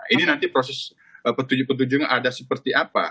ini nanti proses petunjuk petunjuknya ada seperti apa